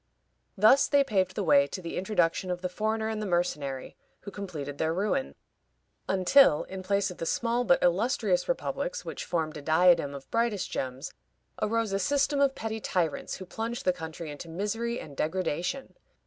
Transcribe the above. Thus they paved the way to the introduction of the foreigner and the mercenary, who completed their ruin; until, in place of the small but illustrious republics which formed a diadem of brightest gems, arose a system of petty tyrants, who plunged the country into misery and degradation.